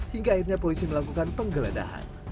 hingga akhirnya polisi melakukan penggeledahan